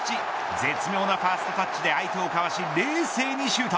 絶妙なファーストタッチで相手をかわし冷静にシュート。